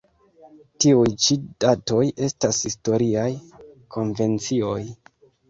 Tiuj ĉi datoj estas historiaj konvencioj.